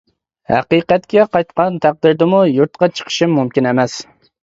ھەقىقەتكە قايتقان تەقدىردىمۇ يۇرتقا چىقىشىم مۇمكىن ئەمەس.